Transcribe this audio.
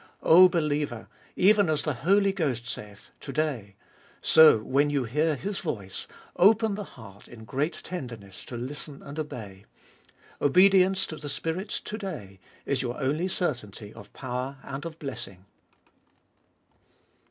O believer, Even as the Holy Ghost saith, To day, so when you hear His voice, open the heart in great tenderness to listen and obey ; obedience to the Spirit's To day is your only certainty of power and of blessing.